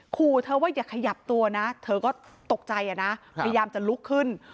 ขู่เธอว่าอย่าขยับตัวนะเธอก็ตกใจอ่ะนะพยายามจะลุกขึ้น